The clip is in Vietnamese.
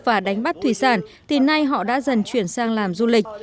và đánh bắt thủy sản thì nay họ đã dần chuyển sang làm du lịch